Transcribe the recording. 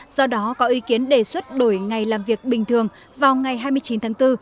do đó có ý kiến đề xuất đổi ngày làm việc bình thường vào ngày hai mươi chín tháng bốn